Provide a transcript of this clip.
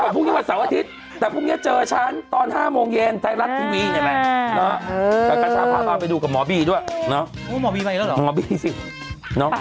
อะเพราะตั้งฉันตั้ง๗นาทีตั้งตั้งน้ำเห็นว่าใครอยากทำตาม